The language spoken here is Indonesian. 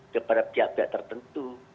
kepada pihak pihak tertentu